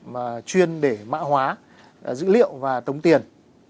mà chuyên để mã hóa dữ liệu và tống tiền